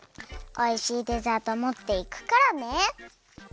おいしいデザートもっていくからね。